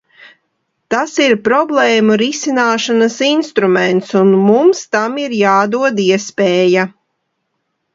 Tas ir problēmu risināšanas instruments, un mums tam ir jādod iespēja.